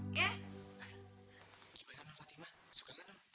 gimana fatimah suka gak lu